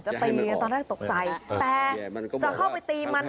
ตีไงตอนแรกตกใจแต่จะเข้าไปตีมัน